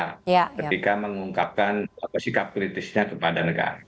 ketika mengungkapkan sikap kritisnya kepada negara